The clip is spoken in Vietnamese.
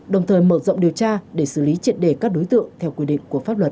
đồng thời mở rộng điều tra để xử lý triệt đề các đối tượng theo quy định của pháp luật